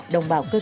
đồng bào cơ tu